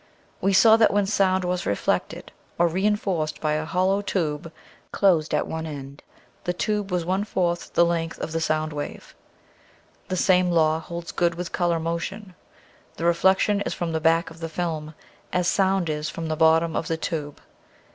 We saw that when sound was reflected or re enforced by a hollow tube closed at pne end the tube was one fourth the length of the sound wave. The same law holds good with color motion. The reflection is from the back of the film, as sound is from the bottom of the tube.